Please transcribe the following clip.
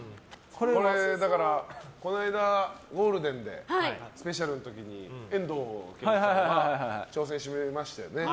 この間、ゴールデンでスペシャルの時に遠藤憲一さんが挑戦してくれましたよね。